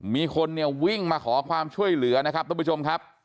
มีคนเนี่ยวิ่งมาขอความช่วยเหลือนะครับทุกผู้ชมครับ